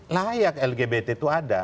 layak lgbt itu ada